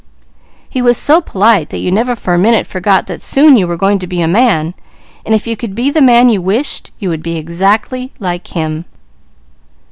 He was so polite, that you never for a minute forgot that soon you were going to be a man, and if you could be the man you wished, you would be exactly like him.